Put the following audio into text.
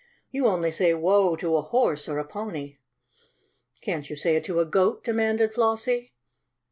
"You only say 'whoa' to a horse or a pony." "Can't you say it to a goat?" demanded Flossie.